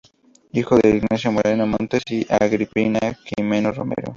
Hijo de Ignacio Moreno Montes y Agripina Jimeno Romero.